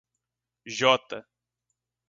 J